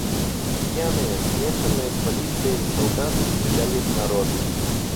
Пьяные, смешанные с полицией, солдаты стреляли в народ.